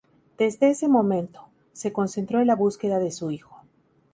Desde ese momento, se concentró en la búsqueda de su hijo.